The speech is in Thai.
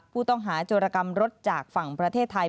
ผู้ต้องหาโจรกรรมรถจากฝั่งประเทศไทย